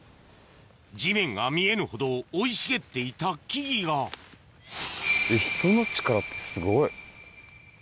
地面が見えぬほど生い茂っていた木々が人の力ってすごい。